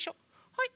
はい。